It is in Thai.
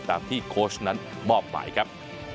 ตามที่โค้ชนั้นมอบหมายครับ